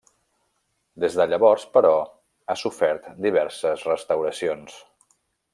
Des de llavors, però, ha sofert diverses restauracions.